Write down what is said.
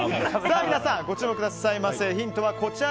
皆さん、ご注目ください。